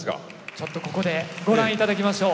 ちょっとここでご覧いただきましょう。